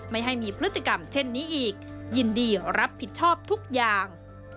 ไม่ให้มีพฤติกรรมเช่นนี้อีกยินดีรับผิดชอบทุกอย่าง